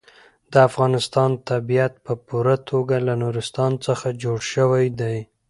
د افغانستان طبیعت په پوره توګه له نورستان څخه جوړ شوی دی.